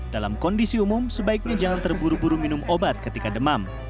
dalam kondisi umum sebaiknya jangan terburu buru minum obat ketika demam